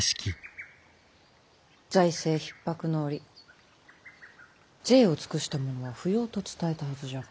財政ひっ迫の折贅を尽くしたものは不要と伝えたはずじゃが。